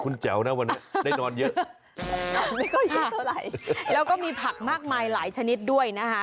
แล้วก็มีผักมากมายหลายชนิดด้วยนะฮะ